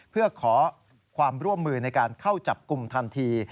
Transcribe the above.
เพื่อขอความร่วมมือในการเข้าจับกลุ่มทันที